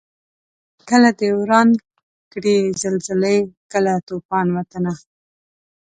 کله دي وران کړي زلزلې کله توپان وطنه